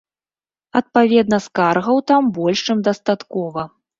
Адпаведна, скаргаў там больш чым дастаткова.